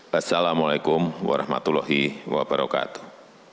wassalamu'alaikum warahmatullahi wabarakatuh